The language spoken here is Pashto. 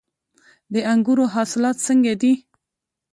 د انګورو حاصلات څنګه دي؟